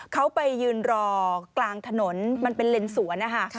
เขาไปยืนรอกลางถนนมันเป็นเลนสวนนะคะ